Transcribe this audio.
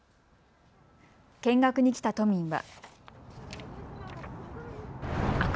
見学に来た都民は。